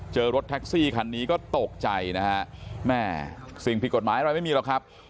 รถแท็กซี่คันนี้ก็ตกใจนะฮะแม่สิ่งผิดกฎหมายอะไรไม่มีหรอกครับ